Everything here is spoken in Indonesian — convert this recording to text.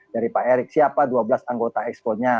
dari pak erick siapa dua belas anggota exponya